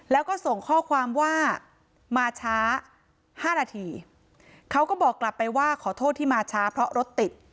แล้วก็ส่งข้อความว่ามาช้าห้านาทีเขาก็บอกกลับไปว่าขอโทษที่มาช้าเพราะรถติด